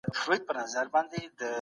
سياست د وګړو ترمنځ د واک د وېشلو هنر دی.